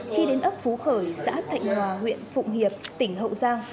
khi đến ấp phú khởi xã thạnh hòa huyện phụng hiệp tỉnh hậu giang